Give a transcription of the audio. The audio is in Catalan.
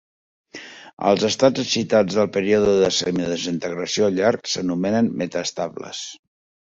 Els estats excitats del període de semidesintegració llarg s'anomenen metaestables.